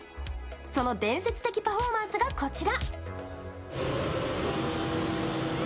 その伝説的パフォーマンスがこちら。